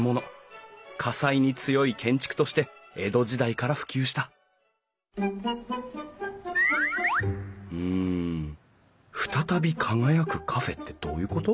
火災に強い建築として江戸時代から普及したうん「ふたたび輝くカフェ」ってどういうこと？